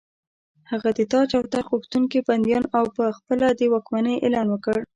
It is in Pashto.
هغه د تاج او تخت غوښتونکي بندیان او په خپله د واکمنۍ اعلان وکړ.